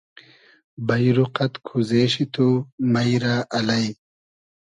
بݷرو قئد کوزې شی تو مݷ رۂ الݷ